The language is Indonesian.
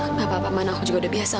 tidak apa apa man aku sudah biasa